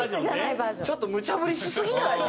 ちょっとむちゃ振りしすぎやない？